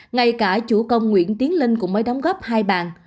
ngay cả chủ công nguyễn tiến linh cũng mới đóng góp hai bàn